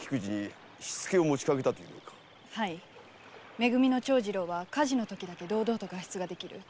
め組の長次郎は火事のときだけ堂々と外出できる。